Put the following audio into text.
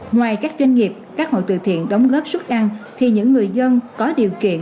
ngoài các doanh nghiệp các hội từ thiện đóng góp xuất ăn thì những người dân có điều kiện